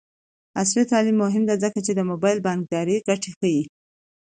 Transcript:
عصري تعلیم مهم دی ځکه چې د موبايل بانکدارۍ ګټې ښيي.